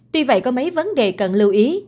tuy vậy có mấy vấn đề cần lưu ý